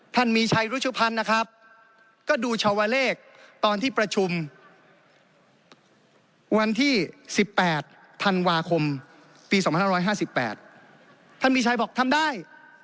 ท่านมีชัยรุชุพรรณนะครับก็ดูชาวเลขตอนที่ประชุมวันที่สิบแปดธันวาคมปีสองห้าร้อยห้าสิบแปดท่านมีชัยบอกทำได้